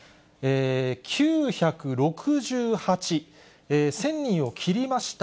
９６８、１０００人を切りました。